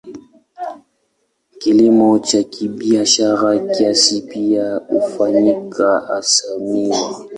Kilimo cha kibiashara kiasi pia hufanyika, hasa miwa.